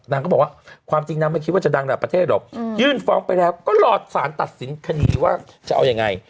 นางก็บอกว่าความจริงนางไม่คิดว่าจะดังระดับประเทศหรอกยื่นฟ้องไปแล้วก็รอสารตัดสินคดีว่าจะเอายังไง